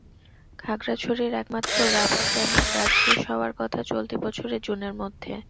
খাগড়াছড়ির একমাত্র রাবার ড্যামের কাজ শেষ হওয়ার কথা চলতি বছরের জুনের মধ্যে।